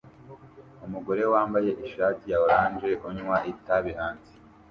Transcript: Umugore wambaye ishati ya orange unywa itabi hanze